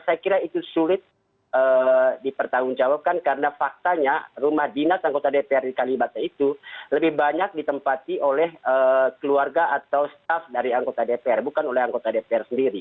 saya kira itu sulit dipertanggungjawabkan karena faktanya rumah dinas anggota dpr di kalibata itu lebih banyak ditempati oleh keluarga atau staff dari anggota dpr bukan oleh anggota dpr sendiri